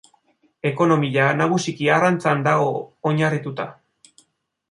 Ekonomia nagusiki arrantzan dago oinarritua.